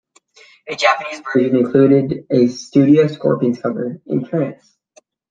A Japanese version included a studio Scorpions cover, In Trance.